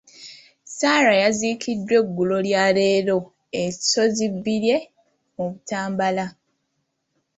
Sarah yaziikiddwa eggulo lyaleero e Nsozibbirye mu Butambala.